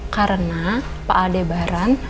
karena pak aldebaran